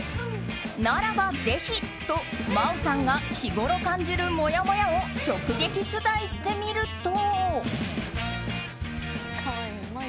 ならば、ぜひと真央さんが日頃感じるもやもやを直撃取材してみると。